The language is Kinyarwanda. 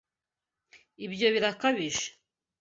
Ibi birakabije.